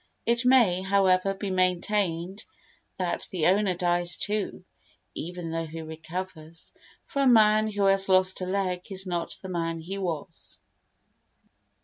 It may, however, be maintained that the owner dies too, even though he recovers, for a man who has lost a leg is not the man he was.